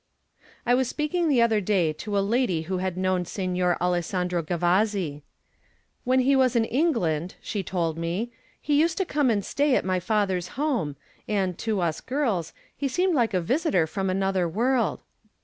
II I was speaking the other day to a lady who had known Signor Alessandro Gavazzi. 'When he was in England,' she told me, 'he used to come and stay at my father's home, and, to us girls, he seemed like a visitor from another world.'